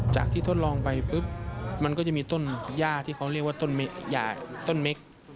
ที่ทดลองไปปุ๊บมันก็จะมีต้นย่าที่เขาเรียกว่าต้นเม็ก